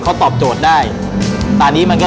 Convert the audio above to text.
โอ้โหเป็นยังไงคะ